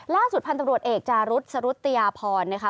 ล่าสุดพันธุ์ตำรวจเอกจารุธสรุตยาพรนะคะ